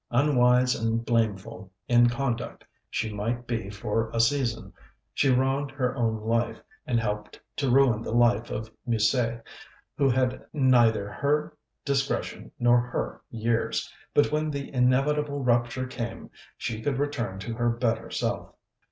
Unwise and blameful in conduct she might be for a season; she wronged her own life, and helped to ruin the life of Musset, who had neither her discretion nor her years; but when the inevitable rupture came she could return to her better self.